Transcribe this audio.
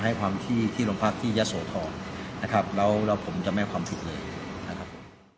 ให้ความที่ลงภาคที่จะโสทอนะครับแล้วผมจะไม่เอาความผิดเลยนะครับ